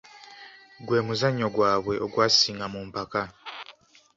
Gwe muzannyo gwaabwe ogwasinga mu mpaka.